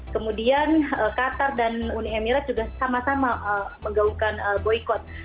kemudian qatar dan uni emirat juga sama sama menggaungkan boykot